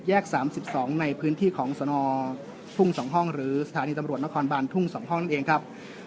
๓๒ในพื้นที่ของสนทุ่ง๒ห้องหรือสถานีตำรวจนครบานทุ่ง๒ห้องนั่นเองครับ